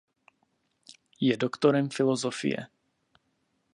Je doktorem filosofie.